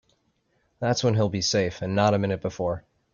That's when he'll be safe and not a minute before.